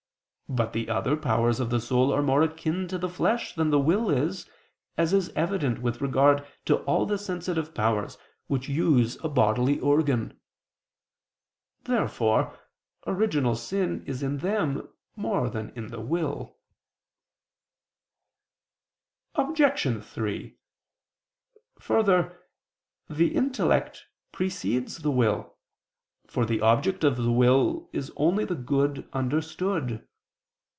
But the other powers of the soul are more akin to the flesh than the will is, as is evident with regard to all the sensitive powers, which use a bodily organ. Therefore original sin is in them more than in the will. Obj. 3: Further, the intellect precedes the will, for the object of the will is only the good understood.